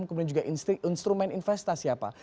kemudian juga instrumen investasi apa